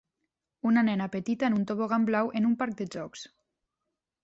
Una nena petita en un tobogan blau en un parc de jocs.